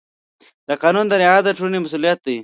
د قانون رعایت د ټولنې مسؤلیت دی.